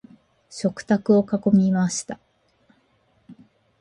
食卓を囲みました。